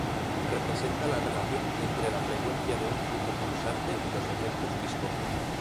Representa la relación entre la frecuencia de un flujo pulsante y los efectos viscosos.